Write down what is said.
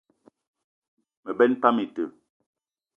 Me benn pam ite.